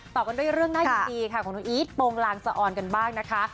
ตอบกันด้วยเรื่องหน้าอย่างงี้ค่ะของหนูอีชโปรงลางเซฮอนกันบ้างนะคะ